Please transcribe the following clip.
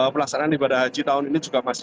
pelaksanaan ibadah haji tersebut tidak berlaku